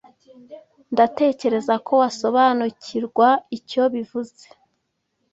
Ndatekereza ko wasobanukirwa icyo bivuze.